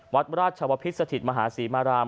วัดราชวพิษสถิตมหาศรีมาราม